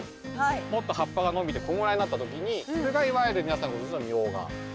もっと葉っぱが伸びてこんぐらいになった時にそれがいわゆる皆さんご存じのミョウガ